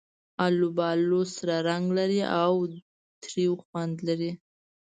آلوبالو سره رنګ لري او تریو خوند لري.